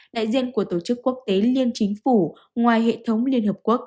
đại diện của tổ chức quốc tế liên chính phủ ngoài hệ thống liên hợp quốc